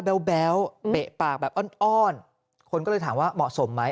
แบ๊วเปะปากแบบอ้อนคนก็เลยถามว่าเหมาะสมไหม